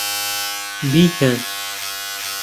بیکەن!